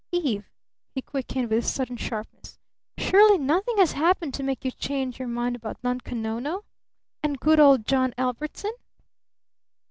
"Eve!" he quickened with sudden sharpness. "Surely nothing has happened to make you change your mind about Nunko Nono? And good old John Ellbertson?"